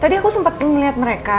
tadi aku sempet ngeliat mereka